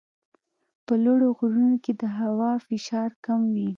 په لوړو غرونو کې د هوا فشار کم وي.